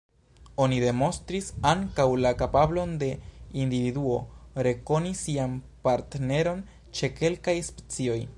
Oni demonstris ankaŭ la kapablon de individuo rekoni sian partneron ĉe kelkaj specioj.